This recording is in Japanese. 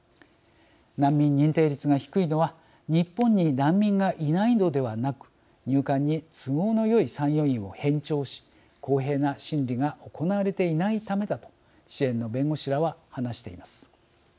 難民認定率が低いのは日本に難民がいないのではなく入管に都合のよい参与員を偏重し公平な審理が行われていないためだと支援の弁護士らは話しています。